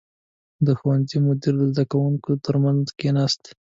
• د ښوونځي مدیر د زده کوونکو تر منځ کښېناست.